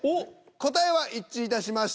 答えは一致いたしました。